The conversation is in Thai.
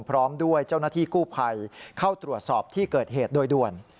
พร้อมด้วยเจ้าหน้าที่กู้ภัยเข้าตรวจสอบที่เกิดเหตุโดยด่วน